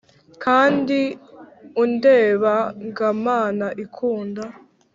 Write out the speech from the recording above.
kandi undeba ga mana ikunda!